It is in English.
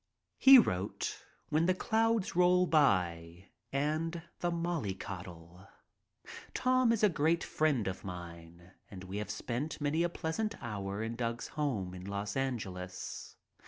He wrote "When the Clouds Roll By" and "The Mollycoddle." Tom is a great friend of mine and we have spent many a pleasant hour in Doug's home in Los Angeles.